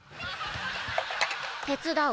手伝う。